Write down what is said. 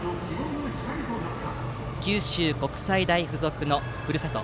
九州国際大付属のふるさと